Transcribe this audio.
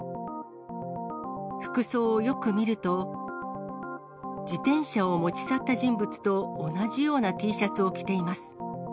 服装をよく見ると、自転車を持ち去った人物と同じようなＴシャツを着ています。